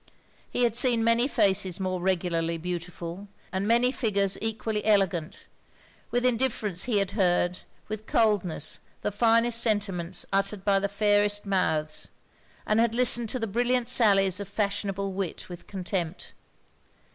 He had seen many faces more regularly beautiful, and many figures equally elegant, with indifference: he had heard, with coldness, the finest sentiments uttered by the fairest mouths; and had listened to the brilliant sallies of fashionable wit, with contempt.